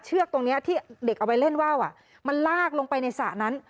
เชือกตรงนี้ที่เด็กเอาไปเล่นว่าวมันลากลงไปในสระนั้น